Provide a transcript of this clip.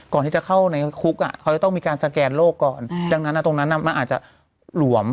ก่อนที่จะเข้าในคุกเขาจะต้องมีการสแกนโลกก่อนดังนั้นตรงนั้นมันอาจจะหลวม